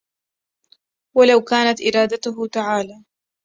ولو كانت إرادته تعالى